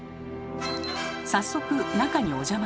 早速中にお邪魔すると。